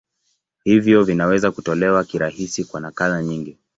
Hivyo vinaweza kutolewa kirahisi kwa nakala nyingi.